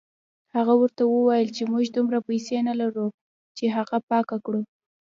هغه ورته وویل چې موږ دومره پیسې نه لرو چې هغه پاکه کړو.